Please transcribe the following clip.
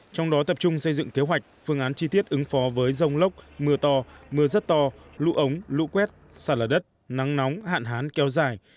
trong đó tập trung xây dựng kế hoạch phương án chi tiết ứng phó với rông lốc mưa to mưa rất to lũ ống lũ quét sạt lở đất nắng nóng hạn hán kéo dài